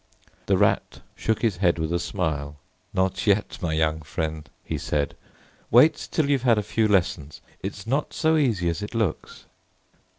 The Rat shook his head with a smile. "Not yet, my young friend," he said—"wait till you've had a few lessons. It's not so easy as it looks."